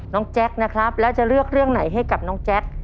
แจ๊คนะครับแล้วจะเลือกเรื่องไหนให้กับน้องแจ๊ค